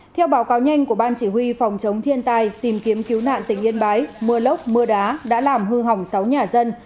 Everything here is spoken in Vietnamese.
theo báo cáo nhanh của ban chỉ huy phòng chống thiên tai tìm kiếm cứu nạn tỉnh yên bái mưa lốc mưa đá đã làm hư hỏng sáu nhà dân